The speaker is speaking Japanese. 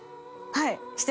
はい。